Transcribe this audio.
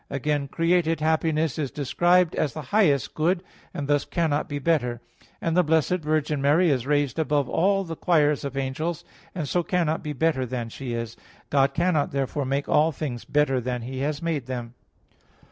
Again created happiness is described as the highest good, and thus cannot be better. And the Blessed Virgin Mary is raised above all the choirs of angels, and so cannot be better than she is. God cannot therefore make all things better than He has made them.